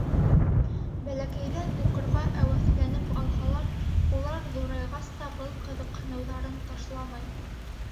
Бәләкәйҙән уҡырға әүәҫләнеп алһалар, улар ҙурайғас та был ҡыҙыҡһыныуҙарын ташламай.